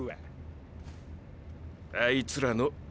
あいつらのーー